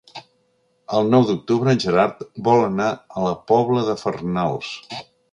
El nou d'octubre en Gerard vol anar a la Pobla de Farnals.